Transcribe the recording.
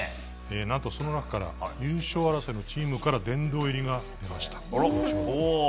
何とその中から、優勝争いのチームから殿堂入りが出ました。